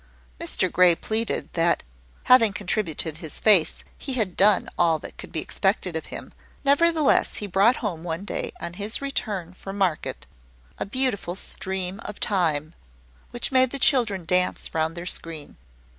Mr Grey pleaded, that, having contributed his face, he had done all that could be expected of him: nevertheless, he brought home one day, on his return from market, a beautiful Stream of Time, which made the children dance round their screen.